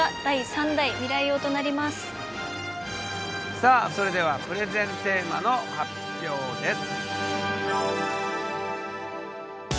さあそれではプレゼンテーマの発表です。